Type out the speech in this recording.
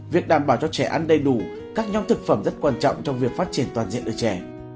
việc đảm bảo cho trẻ ăn đầy đủ các nhóm thực phẩm rất quan trọng trong việc phát triển toàn diện ở trẻ